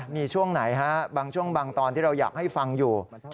มีช่วงไหนฮะบางช่วงบางตอนที่เราอยากให้ฟังอยู่